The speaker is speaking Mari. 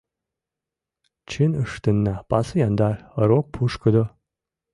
Чын ыштенна, пасу яндар, рок пушкыдо.